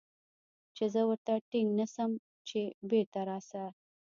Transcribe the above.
چې زه ورته ټينګ نه سم چې بېرته راسه.